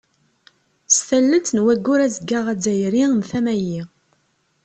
S tallelt n Waggur azeggaɣ azzayri n tama-agi.